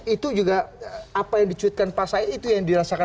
itu juga apa yang dicuitkan pak said itu yang dirasakan